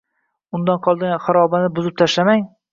Undan qolgan harobani buzib tashlamang